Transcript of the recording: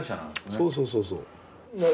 そうそうそうそう。